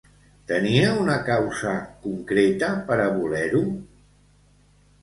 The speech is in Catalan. Tenia una causa concreta per a voler-ho?